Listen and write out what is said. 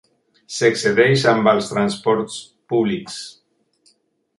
S'excedeix amb els transports públics.